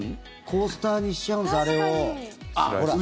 コースターにしちゃうんです、あれを。